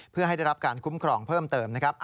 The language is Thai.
เพื่อให้ได้รับการคุ้มครองเพิ่มเติมนะครับ